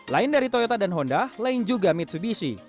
lain dari toyota dan honda lain juga mitsubishi